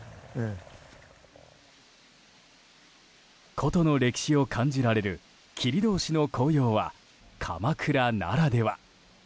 古都の歴史を感じられる切通の紅葉は鎌倉ならでは。